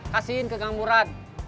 kasihin ke kang murad